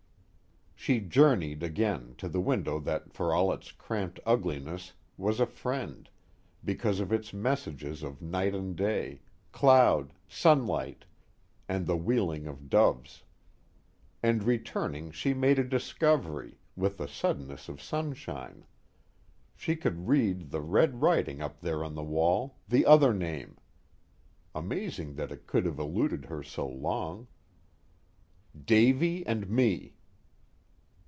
_ She journeyed again, to the window that for all its cramped ugliness was a friend, because of its messages of night and day, cloud, sunlight, and the wheeling of doves. And returning, she made a discovery, with the suddenness of sunshine. She could read the red writing up there on the wall, the other name. Amazing that it could have eluded her so long: DAVY & ME.